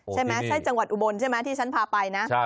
ใช่ไหมใช่จังหวัดอุบลใช่ไหมที่ฉันพาไปนะ